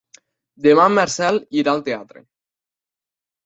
Demà en Marcel irà al teatre.